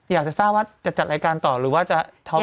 อยากจะทราบว่าจะจัดรายการต่อหรือว่าจะท้อง